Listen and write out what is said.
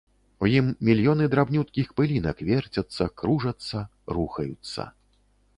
У ім мільёны драбнюткіх пылінак верцяцца, кружацца, рухаюцца.